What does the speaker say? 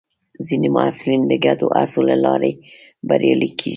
ځینې محصلین د ګډو هڅو له لارې بریالي کېږي.